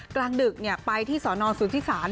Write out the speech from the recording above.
กลางดึกไปที่สอนอนศูนย์ศูนย์ศาล